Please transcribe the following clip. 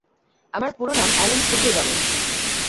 আমার পুরো নাম অ্যালেন শুভ্র গমেজ।